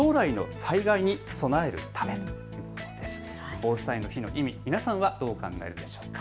防災の日の意味、皆さんはどう考えるでしょうか。